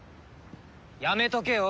やめとけよ。